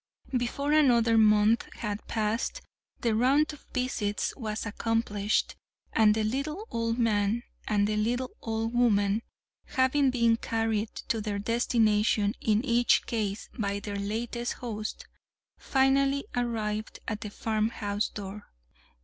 Before another month had passed, the round of visits was accomplished, and the little old man and the little old woman having been carried to their destination in each case by their latest host finally arrived at the farmhouse door.